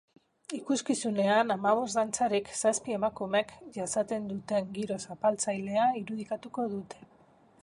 Ikuskizunean, hamabost dantzarik zazpi emakumek jasaten duten giro zapaltzailea irudikatuko dute.